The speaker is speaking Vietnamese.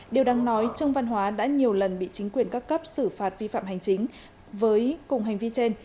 điều đáng nói trương văn hóa đã nhiều lần bị chính quyền các cấp xử phạt vi phạm hành chính với cùng hành vi trên